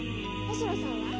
星野さんは？